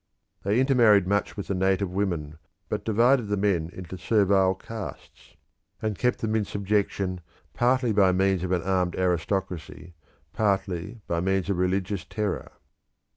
They intermarried much with the native women, but divided the men into servile castes, and kept them in subjection partly by means of an armed aristocracy, partly by means of religious terror.